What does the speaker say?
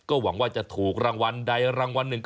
โอ้โหถูกรางวัลที่๑นี่นะ